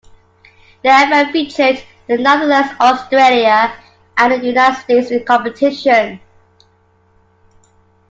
The event featured the Netherlands, Australia, and the United States in competition.